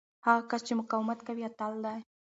هغه کس چې مقاومت کوي، اتل دی.